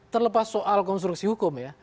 terlepas soal konstruksi hukum